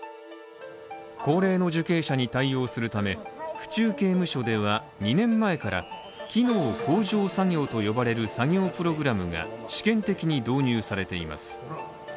高齢の受刑者に対応するため、府中刑務所では２年前から機能向上作業と呼ばれる作業プログラムが試験的に導入されています。